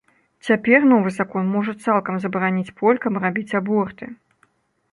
Цяпер новы закон можа цалкам забараніць полькам рабіць аборты.